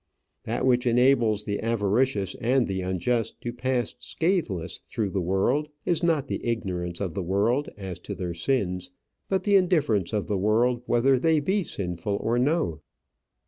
That which enables the avaricious and the unjust to pass scatheless through the world is not the ignorance of the world as to their sins, but the indifference of the world whether they be sinful or no.